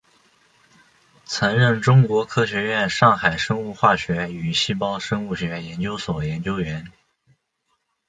曾任中国科学院上海生物化学与细胞生物学研究所研究员。